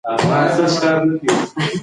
زه به ستا د خوشحالۍ لپاره تل دعا کوم.